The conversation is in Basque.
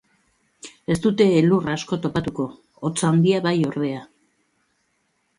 Ez dute elur askorik topatuko, hotz handia bai ordea.